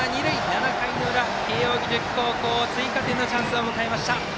７回の裏、慶応義塾高校追加点のチャンスを迎えました。